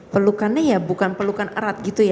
pelukannya ya bukan pelukan erat gitu ya